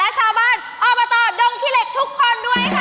และชาวบ้านอบตดงขี้เหล็กทุกคนด้วยค่ะ